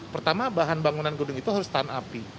pertama bahan bangunan gedung itu harus tahan api